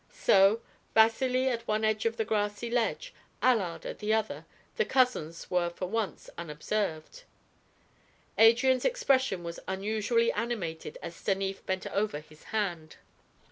So, Vasili at one end of the grassy ledge, Allard at the other, the cousins were for once unobserved. Adrian's expression was unusually animated as Stanief bent over his hand.